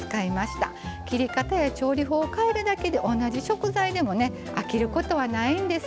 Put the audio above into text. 切り方や調理法を変えるだけで同じ食材でもね飽きることはないんですよ。